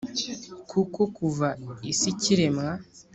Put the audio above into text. Kuko kuva isi ikiremwa